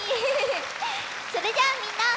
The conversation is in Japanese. それじゃあみんな。